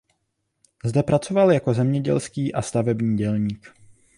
Zde pracoval jako zemědělský a stavební dělník.